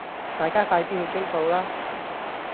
大家快啲去追數啦